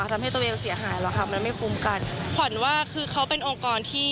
อืมอืมอืมอืมอืมอืม